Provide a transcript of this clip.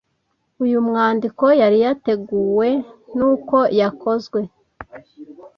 uyu mwandiko yari yateguwe n’uko yakozwe